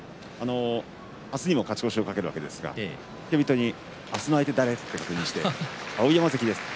明日にも勝ち越しを懸けるわけですが付け人に明日の相手は誰と聞きまして碧山関です。